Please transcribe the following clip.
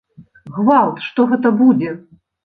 Гвалт, што гэта будзе!